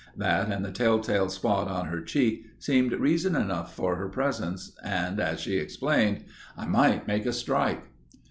That and the telltale spot on her cheek seemed reason enough for her presence and, as she explained, "I might make a strike."